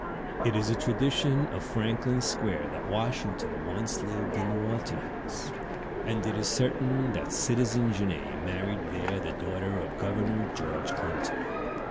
It is a tradition of Franklin Square that Washington once lived in the Walton House; and it is certain that Citizen Genet married there the daughter of Governor George Clinton.